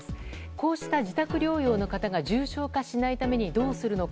こうした自宅療養の方が重症化しないためにどうするのか。